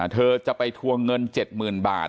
เธอจะไปทวงเงิน๗๐๐๐บาท